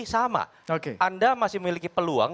sama anda masih memiliki peluang